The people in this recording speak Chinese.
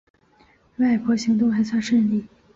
外婆行动还算顺利